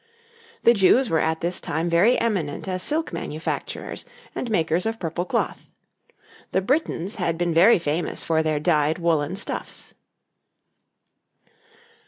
The Jews were at this time very eminent as silk manufacturers and makers of purple cloth. The Britons had been very famous for their dyed woollen stuffs.